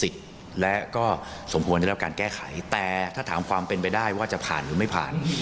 แต่ถ้าถามความเป็นไปได้ว่าจะผ่านหรือไม่ผ่าน